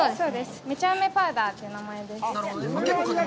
めちゃ梅パウダーという名前です。